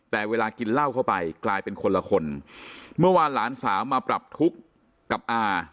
แต่เวลากินเหล้าเข้าไปกลายเป็นคนละคนเมื่อวานหลานสาวมาปรับทุกข์กับอา